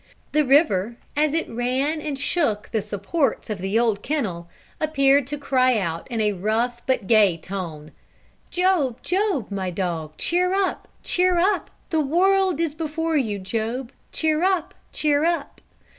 The river, as it ran and shook the supports of the old kennel, appeared to cry out in a rough but gay tone: "Job, Job, my dog, cheer up, cheer up; the world is before you, Job, cheer up, cheer up."